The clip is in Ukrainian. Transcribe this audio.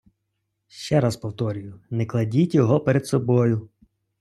Ще раз повторюю, не кладіть його перед собою!